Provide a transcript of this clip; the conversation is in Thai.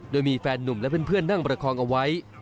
โดยมีแฟนหนุ่มและเพื่อนนั่งประคองเอาไว้